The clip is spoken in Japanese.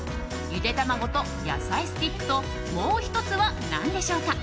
ゆで卵と野菜スティックともう１つは何でしょうか。